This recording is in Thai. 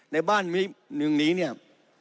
ในบ้านเมืองนี้เนี่ย